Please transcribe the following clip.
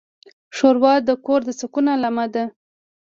ښوروا د کور د سکون علامه ده.